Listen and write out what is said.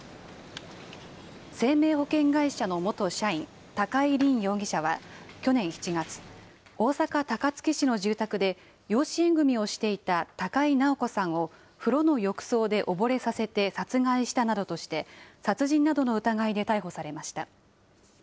生命保険会社の元社員、高井凜容疑者は、去年７月、大阪・高槻市の住宅で養子縁組みをしていた高井直子さんを、風呂の浴槽で溺れさせて殺害したなどとして、殺人などの疑いで逮捕されました。